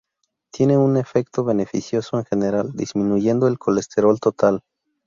Tienen un efecto beneficioso en general, disminuyendo el colesterol total.